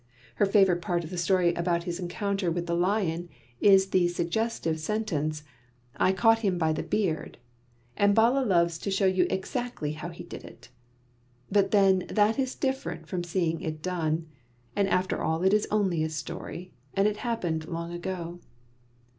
Her favourite part of the story about his encounter with the lion is the suggestive sentence, "I caught him by the beard"; and Bala loves to show you exactly how he did it. But then that is different from seeing it done; and after all it is only a story, and it happened long ago.